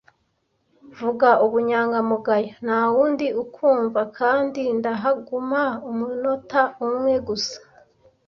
(Vuga ubunyangamugayo, ntawundi ukwumva, kandi ndahaguma umunota umwe gusa.)